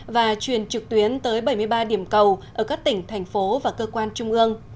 và truyền trực tuyến tới bảy mươi ba điểm cầu ở các tỉnh thành phố và cơ quan trung ương